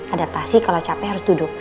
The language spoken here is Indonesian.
ada tasih kalo capek harus duduk